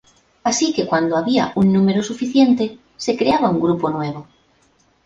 Así que cuando había un número suficiente, se creaba un grupo nuevo.